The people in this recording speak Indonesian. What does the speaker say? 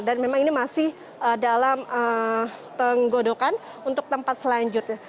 dan memang ini masih dalam penggodokan untuk tempat selanjutnya